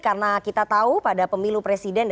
karena kita tahu pada pemilu presidennya